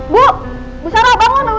bu bu sarah bangun